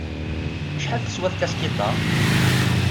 Acḥal teswa tkaskiḍt-a?